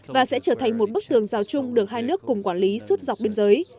và sẽ trở thành một bức tường rào chung được hai nước cùng quản lý suốt dọc biên giới